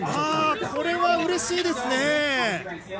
これはうれしいですね！